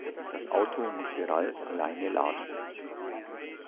Das Auto musste Ralf alleine laden.